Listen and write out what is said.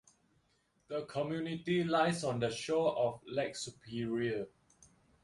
The community lies on the shore of Lake Superior.